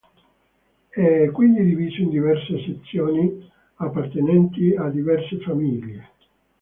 È quindi diviso in diverse sezioni appartenenti a diverse famiglie.